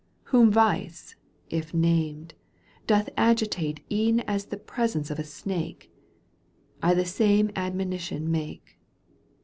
Whom vice, if named, doth agitate E'en as the presence of a snake, I the same admonition make.